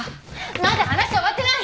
まだ話終わってない！